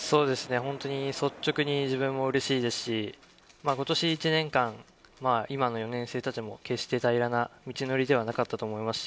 率直に自分も嬉しいですし、今年１年間、今の４年生たちも決して平らな道のりではなかったと思います。